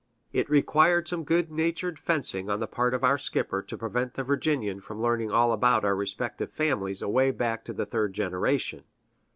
It required some good natured fencing on the part of our skipper to prevent the Virginian from learning all about our respective families away back to the third generation.